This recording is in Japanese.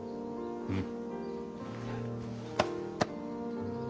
うん。